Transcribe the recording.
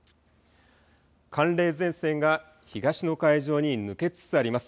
寒冷前線が東の海上に抜けつつあります。